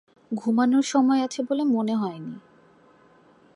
ঘুমানোর সময় আছে বলে মনে হয়নি।